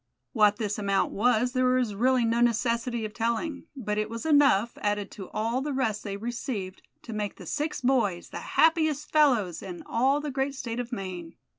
What this amount was there is really no necessity of telling; but it was enough, added to all the rest they received, to make the six boys the happiest fellows in all the great state of Maine.